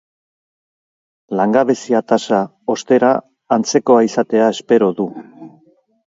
Langabezia tasa, ostera, antzekoa izatea espero du.